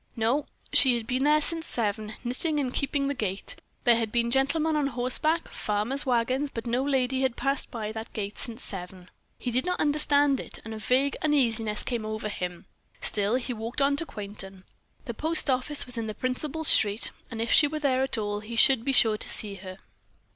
"No." She had been there since seven, knitting and keeping the gate. There had been gentlemen on horseback, farmers' wagons, but no young lady had passed by that gate since seven. He did not understand it, and a vague uneasiness came over him. Still he walked on to Quainton. The post office was in the principal street, and if she were there at all, he should be sure to see her.